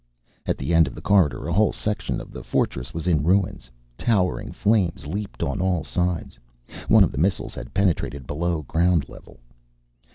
At the end of the corridor a whole section of the fortress was in ruins. Towering flames leaped on all sides. One of the missiles had penetrated below ground level.